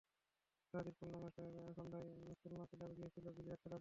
সারা দিন খুলনা কালেক্টরেটে কাটিয়ে সন্ধ্যায় খুলনা ক্লাবে গিয়েছি বিলিয়ার্ড খেলার জন্য।